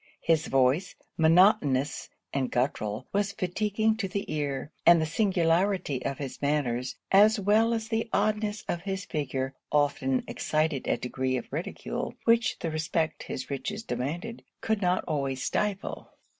His voice, monotonous and guttural, was fatiguing to the ear; and the singularity of his manners, as well as the oddness of his figure, often excited a degree of ridicule, which the respect his riches demanded could not always stifle.